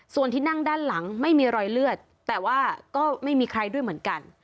ส่วนที่นั่งด้านหลังไม่มีรอยเลือดแต่ว่าก็ไม่มีใครด้วยเหมือนกัน